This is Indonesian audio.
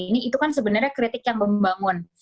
ini itu kan sebenarnya kritik yang membangun